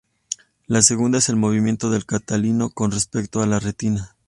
La segunda es el movimiento del cristalino con respecto a la retina.